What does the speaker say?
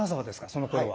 そのころは。